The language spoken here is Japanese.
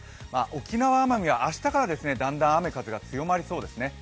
沖縄・奄美は明日からだんだん雨・風が強まりそうですね。